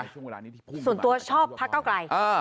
ส่วนตัวชอบพักก้าวกลาย